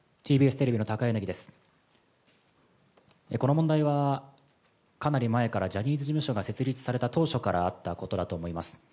この問題は、かなり前から、ジャニーズ事務所が設立された当初からあったことだと思います。